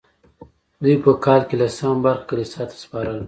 دوی په کال کې لسمه برخه کلیسا ته سپارله.